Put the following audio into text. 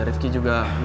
rifki juga gak anggap itu